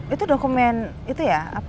itu dokumen itu ya